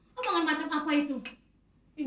omongan macam apa itu